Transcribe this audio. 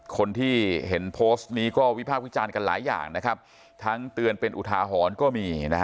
คนที่เห็นโพสต์นี้ก็วิพากษ์วิจารณ์กันหลายอย่างนะครับทั้งเตือนเป็นอุทาหรณ์ก็มีนะฮะ